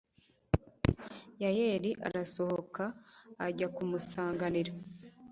yayeli arasohoka ajya kumusanganira